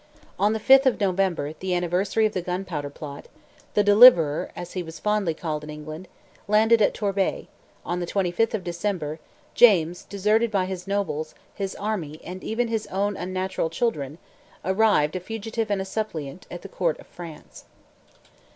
On the 5th of November, the anniversary of the gunpowder plot, "the Deliverer," as he was fondly called in England, landed at Torbay; on the 25th of December, James, deserted by his nobles, his army, and even his own unnatural children, arrived, a fugitive and a suppliant, at the court of France.